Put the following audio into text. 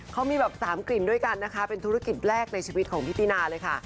เขามีแบบ๓กลิ่นด้วยกันนะคะเป็นธุรกิจแรกในชีวิตของพี่ตินาเลยค่ะ